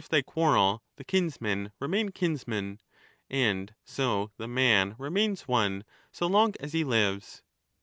6 1240*' they quarrel, the kinsmen remain kinsmen ; and so the man remains one so long as he lives.